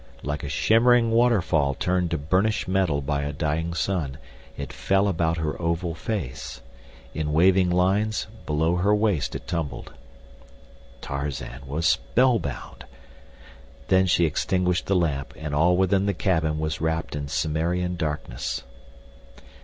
Like a shimmering waterfall turned to burnished metal by a dying sun it fell about her oval face; in waving lines, below her waist it tumbled. Tarzan was spellbound. Then she extinguished the lamp and all within the cabin was wrapped in Cimmerian darkness.